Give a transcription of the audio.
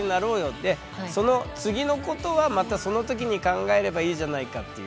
でその次のことはまたその時に考えればいいじゃないかっていう。